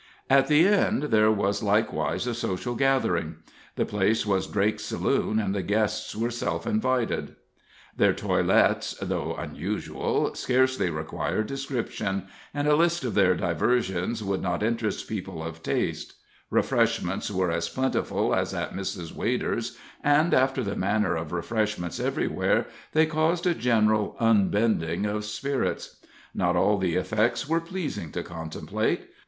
At the End there was likewise a social gathering. The place was Drake's saloon, and the guests were self invited. Their toilets, though unusual, scarcely require description, and a list of their diversions would not interest people of taste Refreshments were as plentiful as at Mrs. Wader's, and, after the manner of refreshments everywhere, they caused a general unbending of spirits. Not all the effects were pleasing to contemplate.